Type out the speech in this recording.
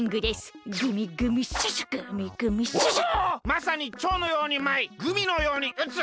まさにちょうのようにまいグミのようにうつ！